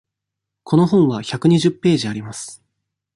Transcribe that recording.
この本は百二十ページあります。